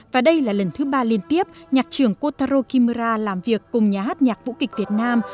và đây là lần thứ ba liên tiếp nhạc trưởng kotaro kimora làm việc cùng nhà hát nhạc vũ kịch việt nam